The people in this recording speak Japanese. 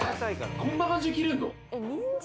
こんな感じで切れんの？